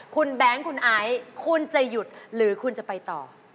คุณแบงค์คุณไอซ์คุณจะหยุดหรือคุณจะไปต่อ